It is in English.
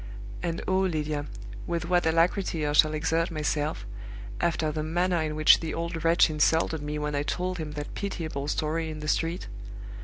And oh, Lydia, with what alacrity I shall exert myself, after the manner in which the old wretch insulted me when I told him that pitiable story in the street!